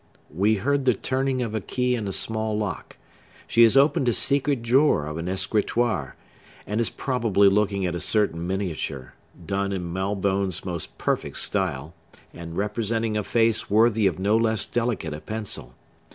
We heard the turning of a key in a small lock; she has opened a secret drawer of an escritoire, and is probably looking at a certain miniature, done in Malbone's most perfect style, and representing a face worthy of no less delicate a pencil.